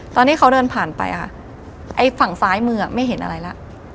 ตอนที่เขาเดินผ่านไปค่ะไอ้ฝั่งซ้ายมือไม่เห็นอะไรแล้ว